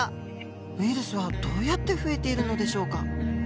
ウイルスはどうやって増えているのでしょうか。